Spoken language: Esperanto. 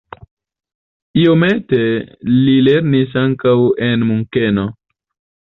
Iomete li lernis ankaŭ en Munkeno.